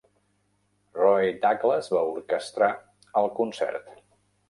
Roy Douglas va orquestrar el concert.